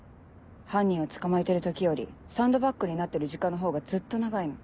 犯人を捕まえてる時よりサンドバッグになってる時間のほうがずっと長いの。